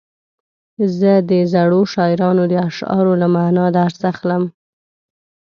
زه د زړو شاعرانو د اشعارو له معنا درس اخلم.